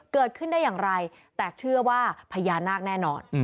เกิดขึ้นได้อย่างไรแต่เชื่อว่าพญานาคแน่นอน